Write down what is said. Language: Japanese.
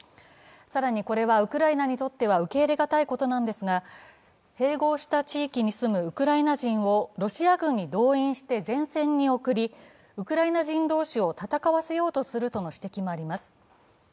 更に、これはウクライナにとっては受け入れがたいことなんですが、併合した地域に住むウクライナ人をロシア軍に動員して前線に送り、ウクライナ人同士を戦わせようとするとの指摘もあります。